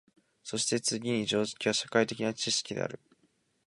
そして次に常識は社会的な知識である。